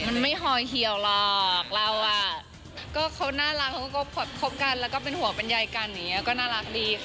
มันไม่หอยเหี่ยวหรอกเราอ่ะก็เขาน่ารักเขาก็คบกันแล้วก็เป็นห่วงเป็นใยกันอย่างนี้ก็น่ารักดี